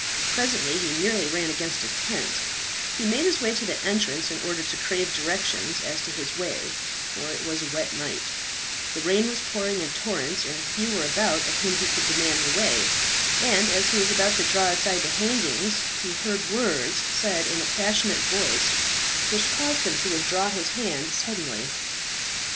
Presently he nearly ran against a tent; he made his way to the entrance in order to crave directions as to his way for it was a wet night; the rain was pouring in torrents, and few were about of whom he could demand the way and, as he was about to draw aside the hangings, he heard words said in a passionate voice which caused him to withdraw his hand suddenly.